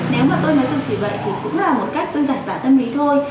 nếu mà tôi mới tự chỉ vậy thì cũng là một cách tôi giải tả tâm lý thôi